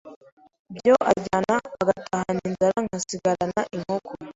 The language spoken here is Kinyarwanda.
byo ajyana agatahana inzara nkasigarana inkoko